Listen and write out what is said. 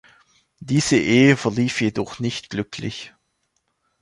Diese Ehe verlief jedoch nicht glücklich.